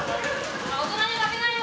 大人に負けないよ！